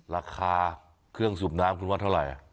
ราคาเครื่องสูบน้ำคุณว่าเท่าไหร่